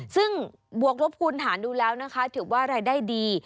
ซึ่งบวกลบคูณหารดูแล้วนะคะถือว่ารายได้ดี